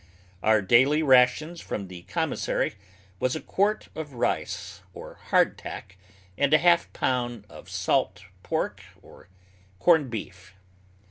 Our daily rations from the Commissary was a quart of rice or hard tack, and a half pound of salt pork or corn beef.